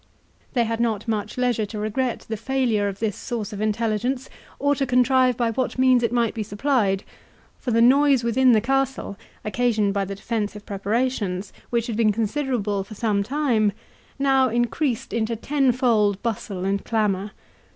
They had not much leisure to regret the failure of this source of intelligence, or to contrive by what means it might be supplied; for the noise within the castle, occasioned by the defensive preparations which had been considerable for some time, now increased into tenfold bustle and clamour.